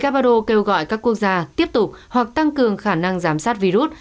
cabado kêu gọi các quốc gia tiếp tục hoặc tăng cường khả năng giám sát virus